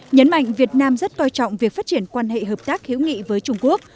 nhấn mạnh việt nam rất coi trọng việc phát triển quan hệ hợp tác hữu nghị với trung quốc